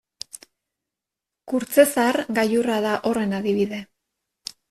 Kurtzezar gailurra da horren adibide.